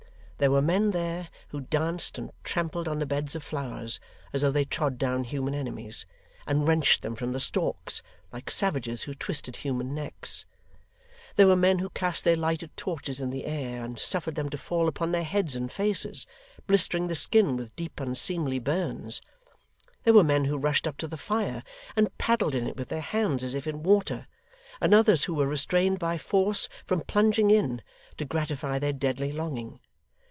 There were men there, who danced and trampled on the beds of flowers as though they trod down human enemies, and wrenched them from the stalks, like savages who twisted human necks. There were men who cast their lighted torches in the air, and suffered them to fall upon their heads and faces, blistering the skin with deep unseemly burns. There were men who rushed up to the fire, and paddled in it with their hands as if in water; and others who were restrained by force from plunging in, to gratify their deadly longing.